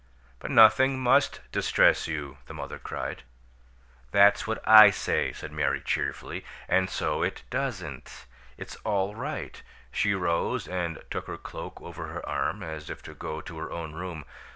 "But nothing MUST distress you!" the mother cried. "That's what I say!" said Mary, cheerfully. "And so it doesn't. It's all right." She rose and took her cloak over her arm, as if to go to her own room.